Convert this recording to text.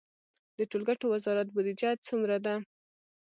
د ټولګټو وزارت بودیجه څومره ده؟